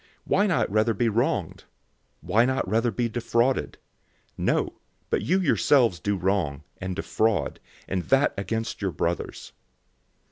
Why not rather be wronged? Why not rather be defrauded? 006:008 No, but you yourselves do wrong, and defraud, and that against your brothers.